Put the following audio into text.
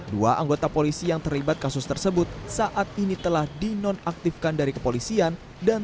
dua anggota polisi yang terlibat kasus tersebut saat ini telah dinonaktifkan dari kepolisian dan